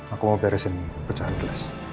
aku mau peresin percaya kelas